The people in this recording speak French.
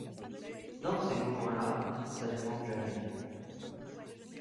Dans ces moments-là, ça ne manque jamais…